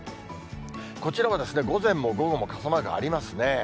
こちらは午前も午後も傘マークありますね。